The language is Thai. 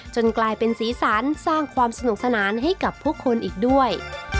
กลายเป็นสีสันสร้างความสนุกสนานให้กับผู้คนอีกด้วย